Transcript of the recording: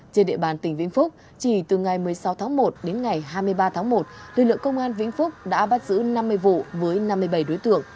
trên địa bàn tỉnh vĩnh phúc chỉ từ ngày một mươi sáu tháng một đến ngày hai mươi ba tháng một lực lượng công an vĩnh phúc đã bắt giữ năm mươi vụ với năm mươi bảy đối tượng